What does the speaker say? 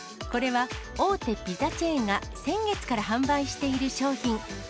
これは大手ピザチェーンが先月から販売している商品。